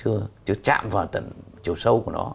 vẫn còn hời hợt chưa chưa chạm vào tận chiều sâu của nó